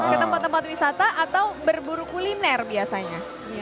ke tempat tempat wisata atau berburu kuliner biasanya